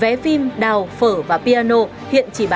vé phim đào phở và piano hiện chỉ bán